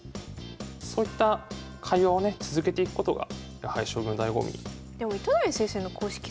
そういった会話をね続けていくことがやはり将棋のだいご味。